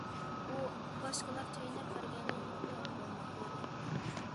ئۇ:‹‹ باشقىلار چايناپ بەرگەن ناننىڭ تەمى بولمايدۇ››، دەيتتى.